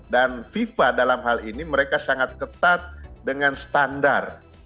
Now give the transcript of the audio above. dan fifa dalam hal ini mereka sangat ketat dengan standar